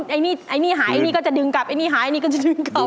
อันนี้หายอันนี้ก็จะดึงกลับอันนี้หายอันนี้ก็จะดึงกลับ